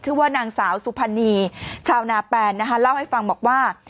ชื่อว่านางสาวสุพรรณีชาวนาแปนนะคะเล่าให้ฟังบอกว่า